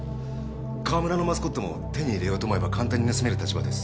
川村のマスコットも手に入れようと思えば簡単に盗める立場です。